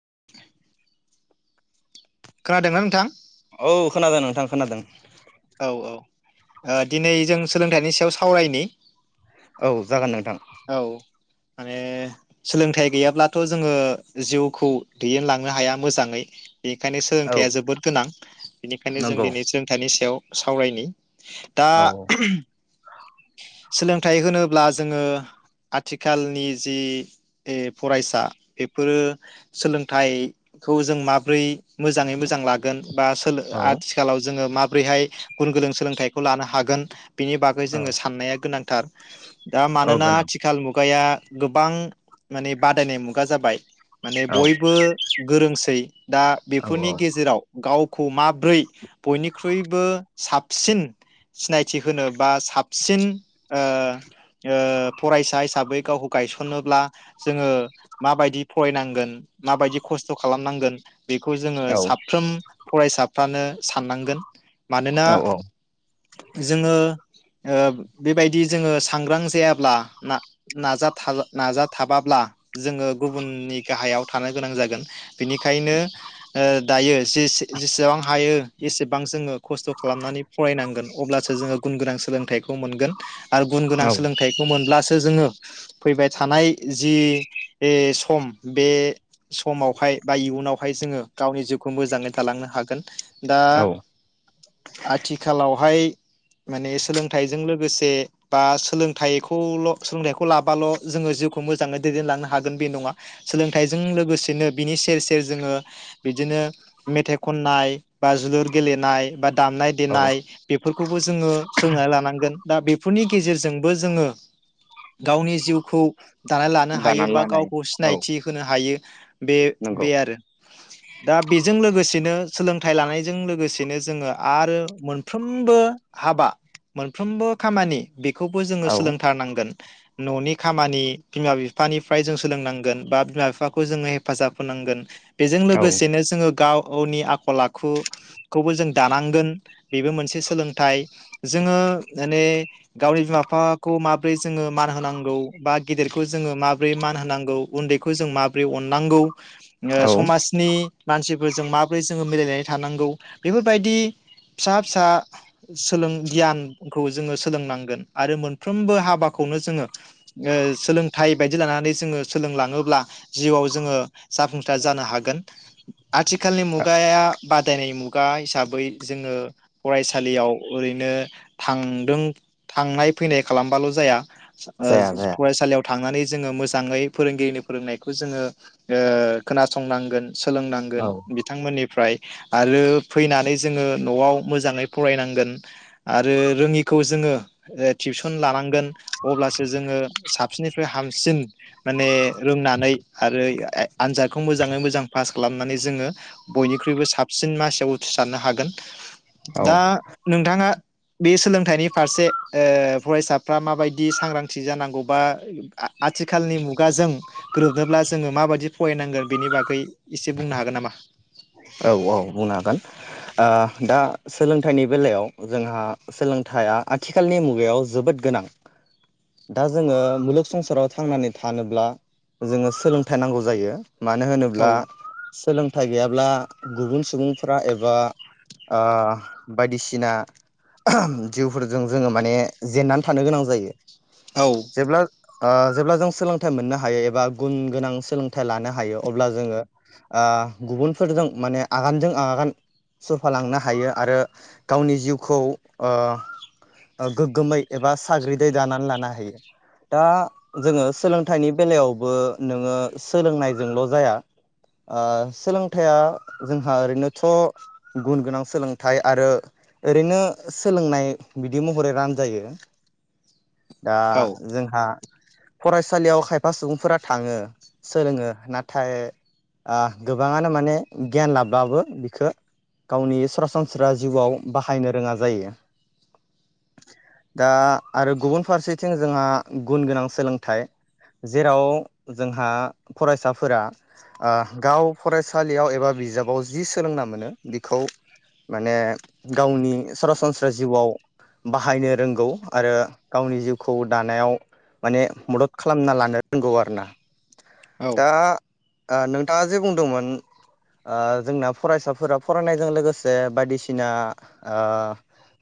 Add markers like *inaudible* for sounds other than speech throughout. *inaudible* खोनादोंना नोंथां? औ खोनादों नोंथां खोनादों। औ औ ओ दिनै जों सोलोंथाइनि सायाव सावरायनि। औ जागोन नों थां औ माने सोलोंथाइ गैयाब्लाथ' जोङो जिउखौ दैदेन लांनो हाया मोजाङै। बेनिखायनो औ सोलोंथाइया जोबोद गोनां बेनिखायनो जों नंगौ दिनै सोलोंथाइनि सायाव सावरायनि दा औ सोलोंथाइ होनोब्ला जोङो आथिखालनि जि फरायसा बेफोरो सोलोंथाइखौ जों माब्रै मोजाङै मोजां लागोन बा सो औ आथिखालाव जोङो मा माबोरैहाय गुन गोनों सोलोंथाइखौ लानो हागोन। बेनि बागै औ जोङो साननाया गोनां थार दा औ मानोना गोनां मुगाया गोबां माने बादायनाय मुगा जाबाय माने औ बयबो गोरोंसै दा औ बेफोरनि गेजेराव गाव खौ माब्रै बयनिख्रुइबो साबसिन सिनायथि होनो बा साबसिन ओ ओ फरायसा हिसाबै गावखौ गायसनोब्ला जोङो माबायदि फरायनांगोन माबायदि खस्थ' खालामनांगोन बेखौ जोङो औ साफ्रोम फरायसा फ्रानो साननांगोन मानोना जोङो ओ बे बायदि जोङो सांग्रां जायाब्ला ना नाजा थाजा नाजा थाबाब्ला जोङो गुबुननि गाहायाव थानो गोनां जागोन बिनिखायनो ओ दायो जेसे जेसेबां हायो एसेबां जोङो खस्थ' खालामनानै फरायनांगोन अब्लासो जोङो गुन गोनां सोलोंथाइ खौ मोनगोन आरो गुन औ गोनां सोलोंथाइखौ मोनब्लासो फैबाय थानाय जि इ सम बे समावहाय बा इयुनाव हाय जोङो गावनि जिउखौ मोजाङै थालांनो हागोन दा औ औ आथिखालावहाय माने सोलोंथाइजों लोगोसे बा सोलोंथाइखौल' सोलोंथाइखौ लाबाल' जोङो जिउखौ मोजाङै दैदेनलांनो हागोन बे नङा सोलोंथाइजों लोगोसेनो बिनि सेर सेर जोङो बिदिनो मेथाइ खननाय बा जोलुर गेलेनाय बा दामनाय औ देनाय बेफोरखौबो जोङो सोलोंनानै लानांगोन दा बेफोरनि गेजेरजोंबो जोङो गावनि जिउखौ दाना लानो हायो दानानै बा लानाय गावखौ औ सिनायथि होनो हायो बे नंगौ बे आरो दा बेजों लोगोसेनो सोलोंथाइ लानायजों लोगोसेनो जोङो आरो मोनफ्रोमबो हाबा मोनफ्रोमबो खामानि बेखौबो जोङो औ सोलोंथारनां गोन न'नि खामानि बिमा बिफानिफ्राय जों सोलोंनांगोन बा बिमा बिफाखौ जोङो हेफाजाब होनांगोन बेजों औ लोगोसेनो जोङो गाव गावनि आखल आखुखौबो जों दानांगोन बेबो मोनसे सोलोंथाइ जोङो माने गावनि बिमा बिफाखौ मा माबोरै जोङो मान होनांगौ बा गेदेरखौ जोङो माबोरै मान होनांगौ उन्दैखौ जों माबोरै अननांगौ। ओ औ समाजनि मानसिफोरजों माबोरै जोङो मिलायनानै थानांगौ बेफोर बायदि फिसा फिसा सोलों गियानखौ जोङो सोलोंनांगोन आरो मोनफ्रोमबो हाबा हाबाखौनो जोङो ओ सोलोंथाइ बायदि लानानै जोङो सोलोंलाङोब्ला जिउआव जोङो। जाफुंसार जानो हागोन आथिखालनि मुगायाव बादायनाय मुगा हिसाबै जोङो। फरायसालियाव ओरैनो थादों थांनाय फैनाय खालामबाल' जाया। जाया जाया फरायसालि थांनानै जोङो मोजाङै फोरोंगिरिनि फोरोंनायखौ जोङो ओ खोनासंनांगोन। औ सोलोंनांगोन बिथांमोननिफ्राय आरो फैनानै जोङो न'आव मोजाङै फरायनांगोन आरो रोङिखौ जोङो टिउसन लानांगोन। अब्लासो जोङो साबसिननिफ्राय हामसिन माने रोंनानै आरो आनजादखौ मोजाङै मोजां पास खालामनानै जोङो बयनिख्रुइबो साबसिन मासियाव उथ्रिसारनो हागोन। औ दा नोंथाङा बे सोलोंथाइनि फारसे ओ फरायसाफ्रा मा बायदि सांग्रांथि जानांगौबा आ आथिखालनि मुगाजों गोरोबनोब्ला जोङो माबायदि फरायनांगोन बिनि बागै एसे बुंनो हागोन नामा? औ औ बुंनो हागोन ओ दा सोलोंथाइनि बेलायाव जोंहा सोलोंथाइया आथिखालनि मुगायाव जोबोद गोनां दा जोङो मुलुग संसाराव थांनानै थानोब्ला जोङो सोलोंथाइ नांगौ जायो। मानो औ होनोब्ला सोलोंथाइ गैयाब्ला गुबुन सुबुंफोरा एबा आ बायदिसिना जिउफोरजों जोङो माने जेननानै थानो गोनां जायो। औ जेब्ला आ जेब्ला जों सोलोंथाइ मोननो हायो एबा गुन गोनां सोलोंथाइ लानो हायो अब्ला जोङो गुबुनफोरजों माने आगानजों आगान सुरफालांनो हायो आरो गावनि जिउखौ गोग्गोमै एबा साग्रिदै दानानै लानो हायो दा जोङो सोलोंथाइनि बेलायावबो नोङो सोलोंनायजोंल' जाया। आ सोलोंथाइया जोंहा ओरैनोथ' गुन गोनां सोलोंथाइ आरो ओरैनो सोलोंनाय बिदि महरै रानजायो। दा औ जोंहा फरायसालियाव खायफा सुबुंफोरा थाङो सोलोङो नाथाय आ गोबाङानो माने गियान लाब्लाबो बिखौ गावनि सरासनस्रा जिउआव बाहायनो रोङा जायो दा आरो गुबुन फारसेथिं जोंहा गुन गोनां सोलोंथाइ जेराव जोंहा फरायसाफोरा आ गाव फरायसालियाव एबा बिजाबाव जि सोलोंना मोनो बिखौ माने गावनि सरासनस्रा जिउआव बाहायनो रोंगौ आरो गावनि जिउखौ दानायाव माने मदद खालामना लानो रोंगौ आरोना। औ दा ओ नोंथाङा जे बुंदोंमोन ओ जोंना फरायसाफोरा फरायनायजों लोगोसे बायदिसिना ओ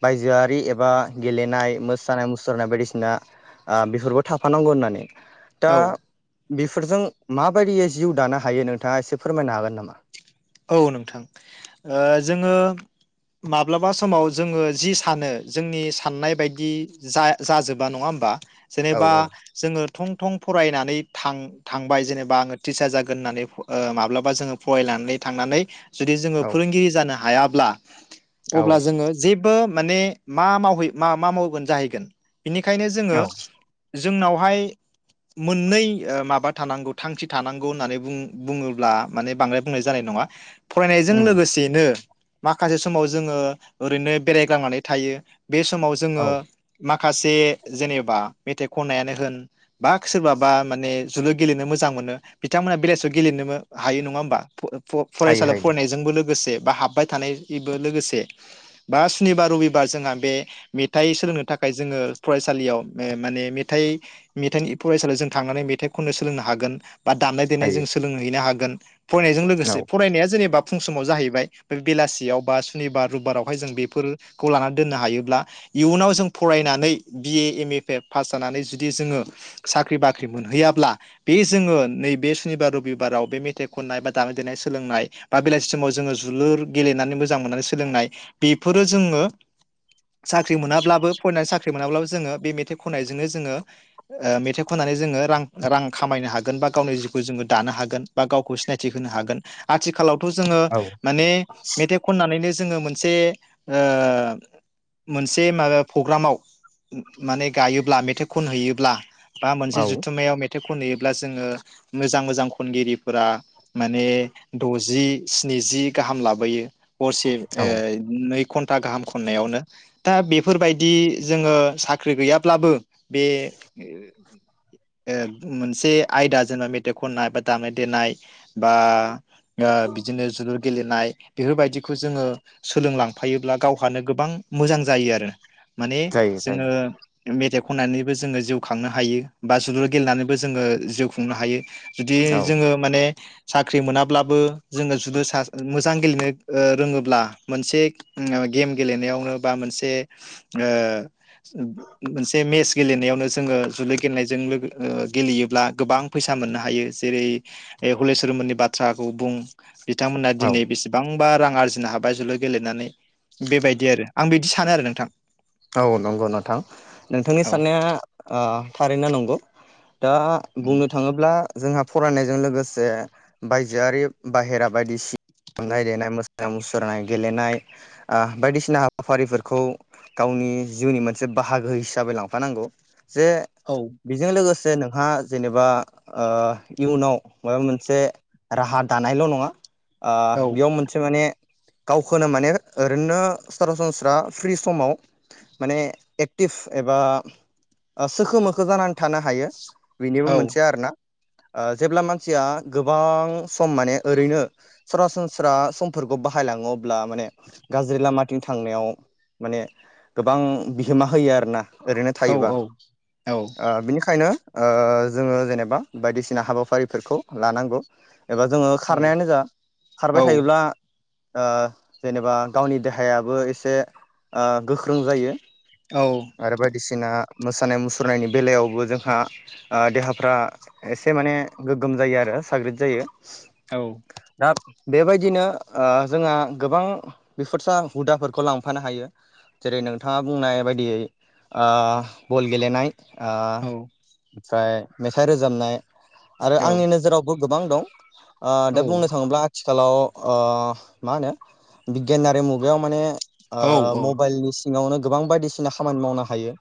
बायजोआरि एबा गेलेनाय मोसानाय मुसुरनाय बायदिसिना आ बेफोरबो थाफानांगौ होननानै। दा औ बेफोरजों माबायदियै जिउ दानो हायो नोंथाङा एसे फोरमायनो हागोन नामा? औ नोंथां ओ जोङो माब्लाबा समाव जोङो जि सानो जोंनि साननाय बायदि जा जाजोबा नङा होमबा औ जेनेबा जोङो थं थं फरायनानै थां थांबाय जेनेबा आङो टिचार जागोन होननानै माब्लाबा जोङो फरायनानै थांनानै जुदि जोङो औ फोरोंगिरि जानो हा हायाब्ला अब्ला औ जोङो जेबो माने मा मावहै मा मा मावगोन जाहैगोन बिनिखायनो जोङो औ जोंनावहाय मोननै माबा थानांगौ थांखि थानांगौ होननानै बुङोब्ला माने बांद्राय बुंनाय जानाय नङा फरायनायजों उम लोगोसेनो माखासे समाव जोङो ओरैनो बेरायग्लांनानै थायो बे समाव जोङो औ मा खासे जेनेबा मेथाइ खननायानो होन बा सोरबाबा माने जोलुर गेलेनो मोजां मोनो बिथांमोनहा बेलासियाव गेलेनो हायो नङा होमबा *inaudible* फ हायो फरायसालियाव हायो फरायनायजोंबो लो लोगोसे बा हाबबाय थानायबो लोगोसे बा सुनिबार रबिबार जोंहा बे मेथाइ सोलोंनो थाखाय जोङो फरायसालियाव माने मेथाइ मेथाइनि फरायसालियाव जों थांनानै मेथाइ खननो सोलोंनो हागोन । बा दामनाय देनाय हायो जों सोलोंहैनो हा गोन । फरायनायजों लोगोसे औ फरायनाया जेनेबा फुं समाव जाहैबाय बे बेलासियाव बा सुनिबार रबिबारावहाय जों बेफोरखौ लानानै दोननो हायोब्ला इयुनाव जों फरायनानै बिए एम ए पास जानानै जुदि जोङो साख्रि बाख्रि मोनहैयाब्ला बे जोङो नैबे सुनिबार रबिबाराव बे मेथाइ खननाय बा दामनाय देनाय सोलोंनाय बा बेलासि समाव जोङो जोलुर गेलेनानै मोजां मोननानै सोलोंनाय बेफोरो जोङो साख्रि मोनाब्लाबो फरायनानै साख्रि साख्रि मोनाब्लाबो जोङो बे मेथाइ खननायजोंनो जोङो मेथाइ खननानै जोङो रां रां खामायनो हागोन बा गावनि जिउखौ जोङो दानो हागोन बा गावखौ सिनायथि होनो हागोन आथिखालाव जोङो औ माने मेथाइ खननानैनो जोङो मोनसे मोनसे माबा प्रग्रामाव माने गायोब्ला मेथाइ खनहैयोब्ला बा मोनसे औ जुथुमायाव मे मेथाइ खनहैयोब्ला जोङो मोजां मोजां खनगिरिफोरा माने द'जि स्निजि गाहाम लाबोयो। हरसे औ ओ *unintelligible* घन्टा गाहाम खननायावनो दा बेफोरबायदि जोङो साख्रि गैयाब्लाबो बे मोनसे आयदा जेनेबा मेथाइ खननाय बा दामनाय देनाय बा ओ बिदिनो जोलुर गेलेनाय बेफोरबायदिखौ जोङो सोलोंलांफायोब्ला गावहानो गोबां मोजां जायो आरो। माने जायो जायो जोङो मेथाइ खननानैबो जोङो जिउ खांनो हायो बा जोलुर गेलेनानैबो जोङो जिउ खुंनो हायो। जुदि औ जोङो माने साख्रि मोनाब्लाबो जोङो जुदि मोजां गेलेनो ओ रोङोब्ला मोनसे गेम गेलेनायावनो बा मोनसे ओ मोनसे मेस गेलेनायावनो जोङो जोलुर गेलेनायजों गेलेयोब्ला गोबां फैसा मोननो हायो। जेरै हलि सरन मोननि बाथ्राखौ बुं । बिथांमोनहा औ दिनै बेसेबां बा रां आरजिनो हाबाय जोलुर गेलेनानै बेबायदि आरो। आं बिद सानो आरो नोंथां। औ नंगौ नोंथां। नोंथांनि औ साननाया ओ थारैनो नंगौ। दा बुंनो थाङोब्ला जोंहा फरायनायजों लोगोसे बायजोआरि बाहेरा बायदिसि *inaudible* दामनाय देनाय मोसानाय मुसुरनाय गेलेनाय बायदिसिना हाबाफारिफोरखौ गावनि जिउनि मोनसे बाहागो हिसाबै लांफानांगौ। जे औ बिजों लोगोस जे नोंहा जेनेबा ओ इयुनाव माबा मोनसे राहा दानायल' नङा ओ औ बेयाव मोनसे माने गावखोनो माने ओरैनो सरासनस्रा फ्रि समाव माने एक्टिभ एबा सोखो मोखो जानानै थानो हायो। बेनिबो औ मोनसे आरोना। ओ जेब्ला मानसिया गोबां सम माने ओरैनो सरासनस्रा समफोरखौ बाहायलाङो अब ब्ला माने गाज्रि लामा थिं थांनायाव माने गोबां बिहोमा होयो आरोना। ओरैनो औ थायोबा। औ ओ बिनिखायनो ओ जोङो जेनेबा बायदिसिना हाबा एबा जोङो खारनायानो जा, औ खारबाय थायोब्ला ओ जेनेबा गावनि देहायाबो एसे ओ गोख्रों जायो। औ आरो बायदिसिना मोसानाय मुसुरनायनि बेलायावबो जोंहा ओ देहाफ्रा एसे माने गोग्गोम जायो आरो साग्रिद जायो। औ औ दा बेबायदिनो ओ जोंहा गोबां बिफुरसा हुदाफोरखौ लांफानो हायो, जेरै नोंथाङा बुंनाय बायदियै ओ बल गेलेनाय ओ औ ओमफ्राय मेथाइ रोजाबनाय, आरो आंनि औ नोजोरावबो गोबां दं। ओ दा औ बुंनो थाङोब्ला थिखालाव ओ मा होनो बिगियानारि मुगायाव माने आ मबाइलनि सि ङावनो गोबां बायदिसिना खामानि मावनो हायो।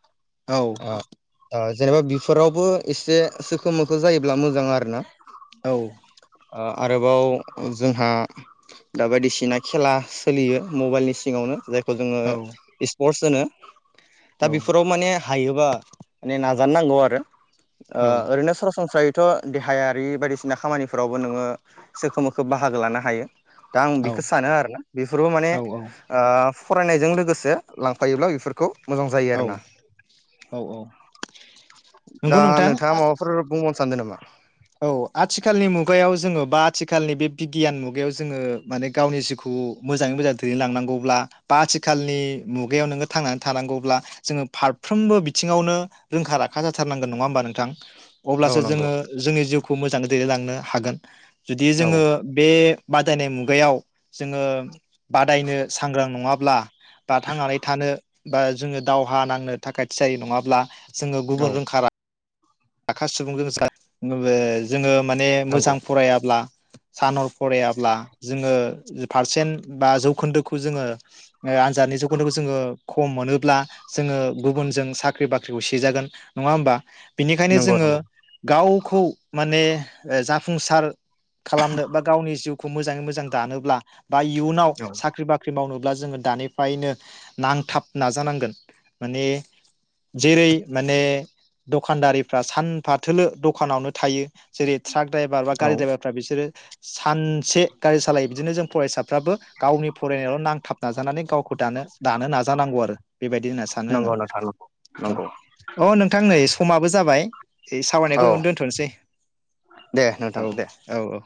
आ दाज। जेनेबा बिफोरावबो एसे सोखोम मोखो जायोब्ला मोजां आरो ना। औ। ओ आरोबाव जोंहा दा बायदिसिना खेला सोलियो मबाइलनि सिङावनो जाय। खौ जोङो इसपरस। जोङो दा बेफोराव माने। हायोबा माने नाजानो नांगौ आरो। ओ ओरैनो सरासनस्रायै। थ देहायारि बायदिसिना खामानिफोरावबो नोङो सोखो मोखो बाहागो लानो हायो। दा आं बिखो सानो आरोना बेफोरबो माने आ। फरायनायजों लोगोसे लांफायोब्ला बेफोर। खौ। मोजां जायो औ आरोना औ औ दा नंगौ नोंथां नोंथाङा माबाफोर बुङो। सान्दोनामा। औ आथिखालनि मुगायाव जोङो बा आथिखालनि बे बिगियान मुगायाव जोङो माने गावनि जिउखौ मोजाङै मोजां दैदेनलांनांगौब्ला बा आथिखालनि मुगायाव नोङो थांनानै थानांगौब्ला जोङो फारफ्रोमबो बिथिङावनो रोंखा राखा जाथारनांगोन नङा होमबा नोंथां। औ अब्लासो जोङो। नंगौ जिउखौ मोजाङै दैदेनलांनो हागोन । जुदि औ जोङो बे बादायनाय मुगायाव जोङो बादायनो सांग्रां नङाब्ला बा थांनानै थानो बा जोङो दावहा नांनो थाखाय थियारि नङाब्ला जोङो गुबुन औ रोंखा रा आखा सुबुंजों सा नुबे जोङो माने नंगौ मोजां फरायाब्ला सानर फरायाब्ला जोङो पारसेन्ट बा जौखोन्दोखौ जोङो ओ आनजादनि जौखोन्दोखौ जोङो खम मोनोब्ला जोङो गुबुनजों साख्रि बाख्रिखौ सेजागोन नङा होमबा बिनिखायनो नंगौ जोङो नंगौ गावखौ माने जाफुंसार। खालामनो बा गावनि जिउ खौ मोजाङै मोजां दानोब्ला बा इयुनाव औ साख्रि बाख्रि मावनो ब्ला जोङो दानिफ्रायनो नांथाब नाजानांगोन माने जेरै माने खानदारिफ्रा सानफाथोलो दखानावनो थायो जेरै ट्राक द्राइभार बा औ गारि द्राइभारफ्रा बिसोरो सानसे गारि सालायो बिदिनो जों फरायसाफ्राबो गावनि फरायनायाव नांथाब नाजानानै गावखौ दानो दानो नाजानांगौ आरो । बेबायदि होनना सानो आङो नंगौ नोंथां नंगौ नंगौ औ, औ नोंथां नै आबो जाबाय। ऐ औ सावरायनायखौ इयावनो दोनथ'नोसै दे नोंथां औ, दे औ औ।